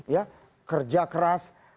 ya kerja keras